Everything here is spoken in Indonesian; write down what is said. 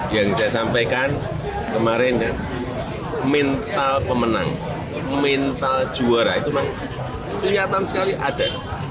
yang saya sampaikan kemarin mental pemenang mental juara itu memang kelihatan sekali ada